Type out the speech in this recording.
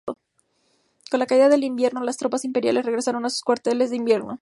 Con la caída del invierno las tropas imperiales regresaron a sus cuarteles de invierno.